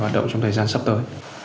hoạt động trong thời gian sắp tới